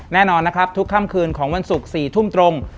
แน่นอนนะครับทุกค่ำคืนของวันศุกร์๔ทุ่มตรง